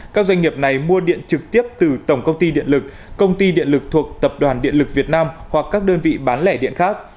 các doanh nghiệp này mua điện trực tiếp từ tổng công ty điện lực công ty điện lực thuộc tập đoàn điện lực việt nam hoặc các đơn vị bán lẻ điện khác